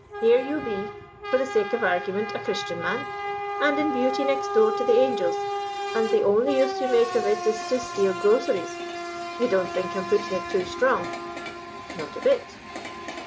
Here you be, for the sake of argument, a Christian man, and in beauty next door to the angels, and the only use you make of it is to steal groceries. You don't think I'm putting it too strong?' "' Not a bit.'